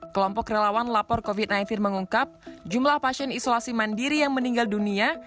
kelompok relawan lapor covid sembilan belas mengungkap jumlah pasien isolasi mandiri yang meninggal dunia